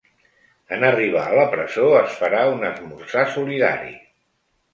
En arribar a la presó es farà un esmorzar solidari.